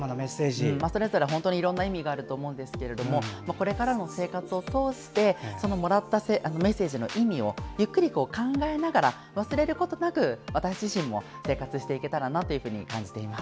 それぞれ本当にいろいろな意味があると思いますがこれからの生活を通してもらったメッセージの意味をゆっくり考えながら忘れることなく私自身も生活していけたらなと感じます。